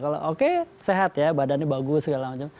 kalau oke sehat ya badannya bagus segala macam